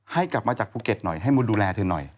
ให้กลับมาจากภูเก็ตหน่อยให้มาดูแลเธอหน่อย